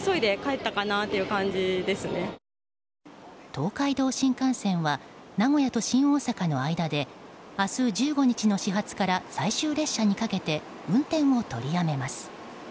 東海道新幹線は名古屋と新大阪の間で明日１５日の始発から最終列車にかけて運転を取りやめます。